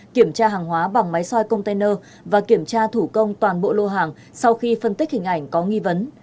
kiểm tra hàng hóa bằng máy soi container và kiểm tra thủ công toàn bộ lô hàng sau khi phân tích hình ảnh có nghi vấn